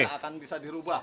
ini akan bisa dirubah